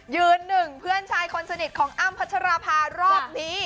ยืนหนึ่งเพื่อนชายคนสนิทของอ้ำพัชราภารอบนี้